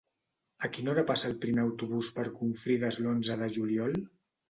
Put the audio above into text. A quina hora passa el primer autobús per Confrides l'onze de juliol?